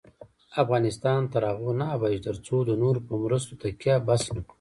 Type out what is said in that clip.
افغانستان تر هغو نه ابادیږي، ترڅو د نورو په مرستو تکیه بس نکړو.